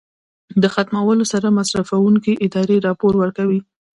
د ختمولو سره مصرفوونکې ادارې راپور ورکوي.